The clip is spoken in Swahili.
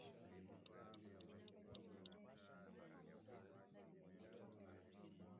Dee alijiunga na huduma hiyo bila kujua kwamba leo angeweza kuwa mmoja kati ya